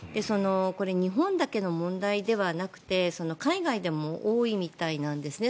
これ、日本だけの問題ではなくて海外でも多いみたいなんですね。